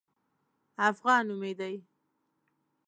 افغان نومېدی.